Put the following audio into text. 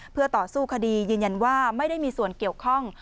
เพื่อต่อสู้คดียืนยันว่าไม่ได้มีส่วนเกี่ยวข้อง